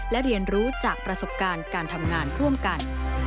และเรียนรู้จากประสบการณ์การทำงานร่วมกัน